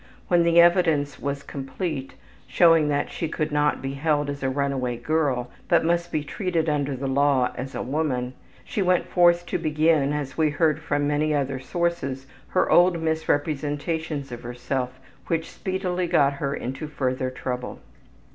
When the evidence was complete, showing that she could not be held as a runaway girl, but must be treated under the law as a woman, she went forth to begin, as we heard from many other sources, her old misrepresentations of herself, which speedily got her into further trouble.